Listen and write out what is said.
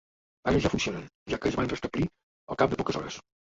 Ara ja funcionen, ja que es van restablir al cap de poques hores.